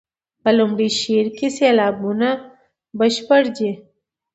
په لومړي شعر کې سېلابونه بشپړ دي.